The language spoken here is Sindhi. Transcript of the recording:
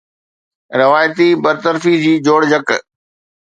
روايتي برطرفي جي جوڙجڪ